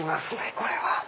これは。